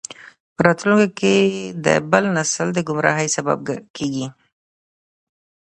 په راتلونکي کې د بل نسل د ګمراهۍ سبب کیږي.